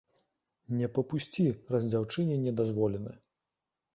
Не папусці, раз дзяўчыне не дазволена.